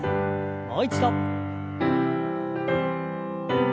もう一度。